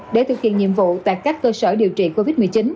để thực hiện nhiệm vụ tại các cơ sở điều trị covid một mươi chín